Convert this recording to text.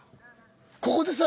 ここでさ